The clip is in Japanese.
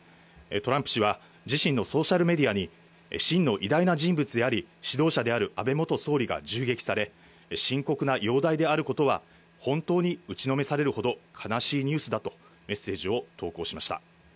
トランプ氏は、自身のソーシャルメディアに、真の偉大な人物であり、指導者である安倍元総理が銃撃され、深刻な容体であることは、本当に打ちのめされるほど悲しいニュースだと、メッセージを投稿しました。